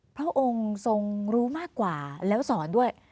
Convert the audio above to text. พระองค์ทรงรู้มากกว่าแล้วสอนด้วย